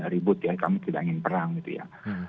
ribut ya kami tidak ingin perang gitu ya